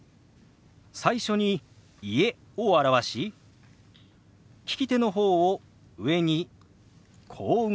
最初に「家」を表し利き手の方を上にこう動かします。